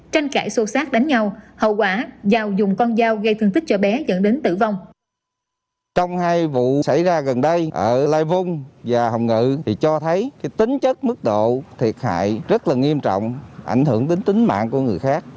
tranh cãi xô xát đánh nhau hậu quả giào dùng con dao gây thương tích cho bé dẫn đến tử vong